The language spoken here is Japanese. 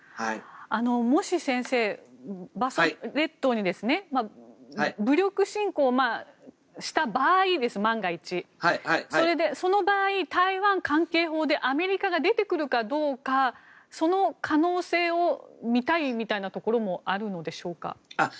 もし先生、万が一馬祖列島に武力侵攻した場合その場合、台湾関係法でアメリカが出てくるかどうかその可能性を見たいみたいなところもあるのでしょうか。